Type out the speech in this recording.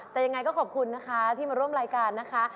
แต่ยังไงก็ขอบคุณนะคะที่มาร่วมรายการนะคะ